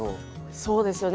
そうですよね。